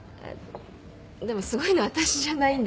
でもすごいの私じゃないんで。